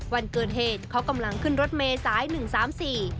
วันเกิดเหตุเขากำลังขึ้นรถเมษายหนึ่งสามสี่